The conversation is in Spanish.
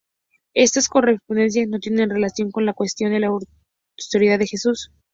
Estas correspondencias no tienen relación con la cuestión de la historicidad de Jesús.